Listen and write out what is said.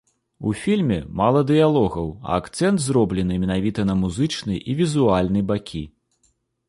У фільме мала дыялогаў, а акцэнт зроблены менавіта на музычны і візуальны бакі.